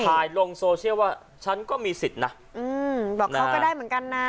ถ่ายลงโซเชียลว่าฉันก็มีสิทธิ์นะอืมบอกเขาก็ได้เหมือนกันนะ